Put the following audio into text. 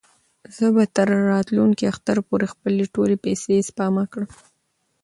زه به تر راتلونکي اختر پورې خپلې ټولې پېسې سپما کړم.